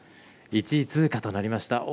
１位通過となりました。